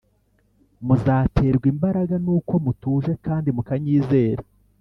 Muzaterwa imbaraga n’uko mutuje kandi mukanyizera.